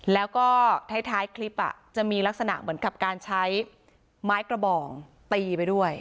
แล้วก็ท้ายคลิปจะมีลักษณะเหมือนกับการใช้ไม้กระบองตีไปด้วย